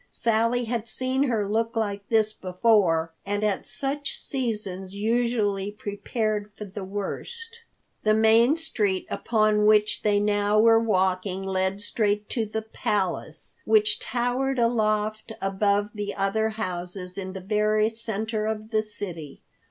Sally had seen her look like this before, and at such seasons usually prepared for the worst. The main street upon which they now were walking led straight to the Palace, which towered aloft above the other houses in the very center of the city.